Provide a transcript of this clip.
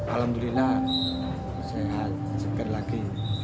alhamdulillah sehat segar lagi